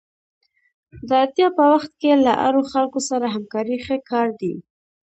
د اړتیا په وخت کې له اړو خلکو سره همکاري ښه کار دی.